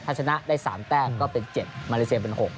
ถ้าชนะได้๓แต้มก็เป็น๗มาเลเซียเป็น๖